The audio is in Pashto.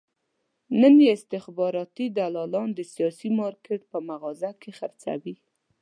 نن یې استخباراتي دلالان د سیاسي مارکېټ په مغازه کې خرڅوي.